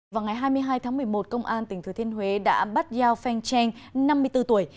vào ngày hai mươi hai tháng một mươi một công an tỉnh thừa thiên huế đã bắt yao feng cheng năm mươi bốn tuổi